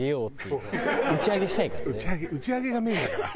打ち上げがメインだから。